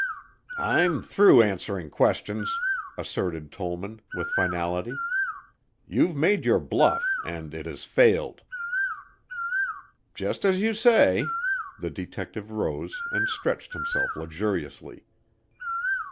"I'm through answering questions," asserted Tollman with finality. "You've made your bluff and it has failed." "Just as you say." The detective rose and stretched himself luxuriously.